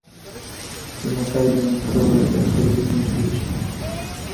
لمسی د نیکه د کلي نوم پیژني.